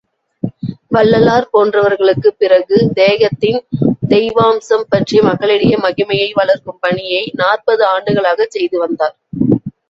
வள்ளலார் போன்றவர்களுக்குப் பிறகு தேகத்தின் தெய்வாம்சம் பற்றி மக்களிடையே மகிமையை வளர்க்கும் பணியை நாற்பது ஆண்டுகளாகச் செய்து வந்தார்.